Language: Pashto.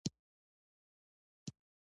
د نړۍ وېشنې پر مهال دوی ته لږ برخه رسېدلې